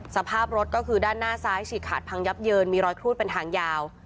สภาพรถก็คือด้านหน้าซ้ายฉีกขาดพังยับเยินมีรอยครูดเป็นทางยาว